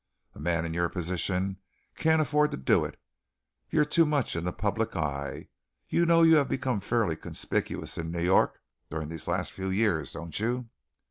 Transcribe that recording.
A man in your position can't afford to do it. You're too much in the public eye. You know you have become fairly conspicuous in New York during the last few years, don't you?"